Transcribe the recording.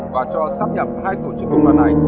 và cho sắp nhập hai tổ chức công đoàn này